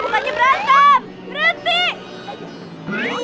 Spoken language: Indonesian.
bukannya berantem berhenti